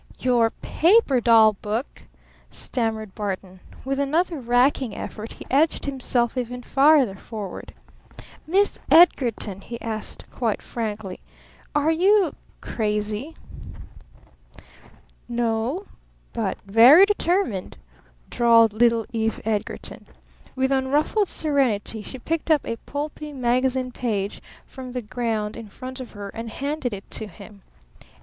"Your PAPER DOLL BOOK?" stammered Barton. With another racking effort he edged himself even farther forward. "Miss Edgarton!" he asked quite frankly, "are you crazy?" [Illustration: "Your PAPER DOLL BOOK?" stammered Barton] "N o! But very determined," drawled little Eve Edgarton. With unruffled serenity she picked up a pulpy magazine page from the ground in front of her and handed it to him.